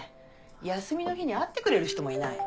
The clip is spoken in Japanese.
休みの日に会ってくれる人もいないの？